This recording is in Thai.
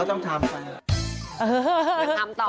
วันนี้ทำต่อนะคะ